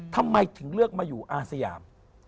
ทำไมถึงเลือกมาอยู่อาสยาม